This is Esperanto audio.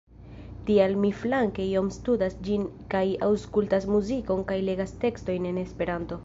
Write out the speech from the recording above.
Tial mi flanke iom studas ĝin kaj aŭskultas muzikon kaj legas tekstojn en Esperanto.